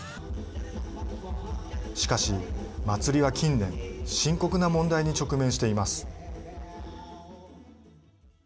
しかし、祭りは近年深刻な問題に直面しています。